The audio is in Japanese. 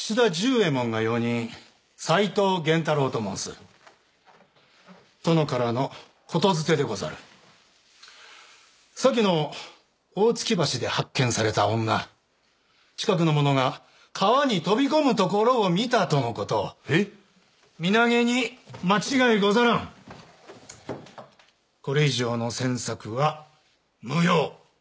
右衛門が用人斎藤源太郎と申す殿からの言づてでござる先の大月橋で発見された女近くの者が川に飛び込むところを見たとのことえっ身投げに間違いござらんこれ以上の詮索は無用！